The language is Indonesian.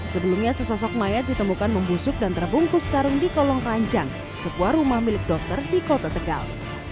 sebelumnya sesosok mayat ditemukan membusuk dan terbungkus karung di kolong ranjang sebuah rumah milik dokter di kota tegal